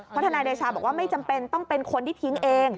เพราะทนายเดชาบอกว่าไม่จำเป็นต้องเป็นคนที่ทิ้งเอง